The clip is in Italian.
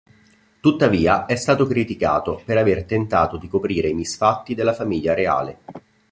Tuttavia, è stato criticato per aver tentato di coprire i misfatti della famiglia reale.